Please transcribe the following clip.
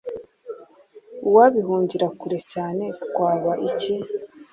Uwabihungira kure cyane twaba iki